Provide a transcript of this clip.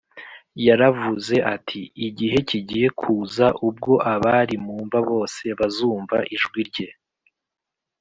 Yaravuze ati, “igihe kigiye kuza ubwo abari mu mva bose bazumva ijwi rye